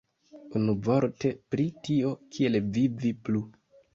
Unuvorte, pri tio, kiel vivi plu.